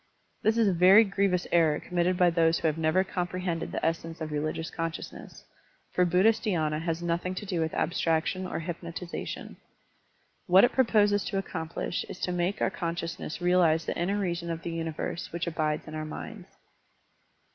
This is a very grievous error committed by those who have never comprehended the essence of religious con sciousness, for Buddhist dhy^na has nothing to do with abstraction or hypnotization. What it proposes to accomplish is to make our conscious ness realize the inner reason of the universe which abides in our minds.